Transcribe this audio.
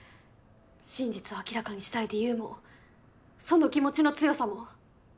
真実を明らかにしたい理由もその気持ちの強さも。